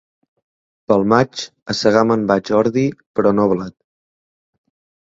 Pel maig, a segar me'n vaig ordi, però no blat.